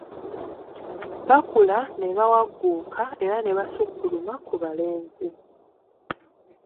Bakula ne bawagguuka era ne basukkuluma ku balenzi.